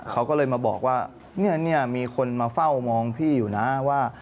เขาก็เลยมาบอกว่าเนี่ยมีคนมาเฝ้ามองพี่อยู่นะว่า